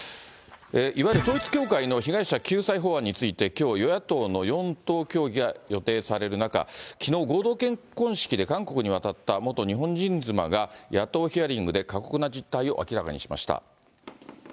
いわゆる統一教会の被害者救済法案について、きょう、与野党の４党協議が予定される中、きのう、合同結婚式で韓国に渡った元日本人妻が野党ヒアリングで過酷な実態を明らかにしました。